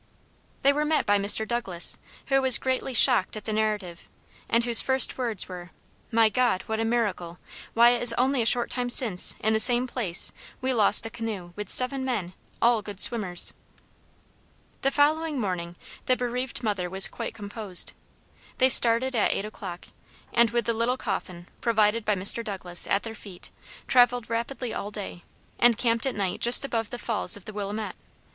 They were met by Mr. Douglas, who was greatly shocked at the narrative, and whose first words were, "My God! what a miracle! Why, it is only a short time since, in the same place, we lost a canoe, with seven men, all good swimmers." The following morning, the bereaved mother was quite composed. They started at eight o'clock, and with the little coffin, provided by Mr. Douglas, at their feet, traveled rapidly all day, and camped at night just above the falls of the Willamette.